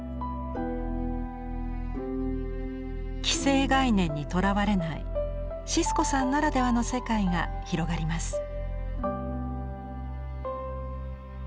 既成概念にとらわれないシスコさんならではの世界が広がります。